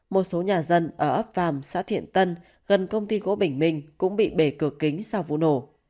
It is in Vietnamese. một số nhà dân ở ấp vàm xã thiện tân gần công ty gỗ bình minh cũng bị bề cửa kính sau vụ nổ